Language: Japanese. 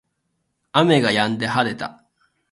雨が止んで晴れた